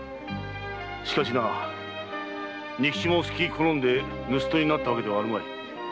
しかしな仁吉もすき好んで盗っ人になったわけではあるまい。